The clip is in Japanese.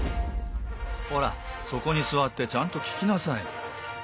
ほらそこに座ってちゃんと聞きなさい。